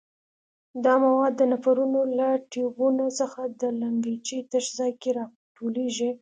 دا مواد د نفرونونو له ټیوبونو څخه د لګنچې تش ځای کې را ټولېږي.